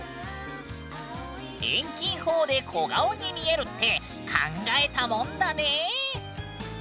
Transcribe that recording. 遠近法で小顔に見えるって考えたもんだね！